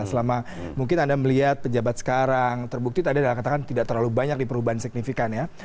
selama mungkin anda melihat pejabat sekarang terbukti tadi anda katakan tidak terlalu banyak di perubahan signifikan ya